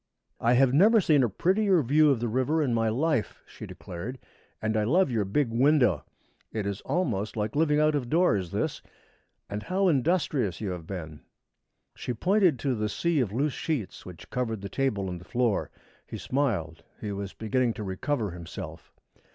"I have never seen a prettier view of the river in my life," she declared, "and I love your big window. It is almost like living out of doors, this. And how industrious you have been!" She pointed to the sea of loose sheets which covered the table and the floor. He smiled. He was beginning to recover himself.